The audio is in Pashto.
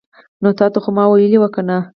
نو تاته خو ما ویلې وو کنه